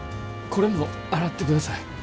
これも洗ってください。